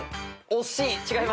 惜しい？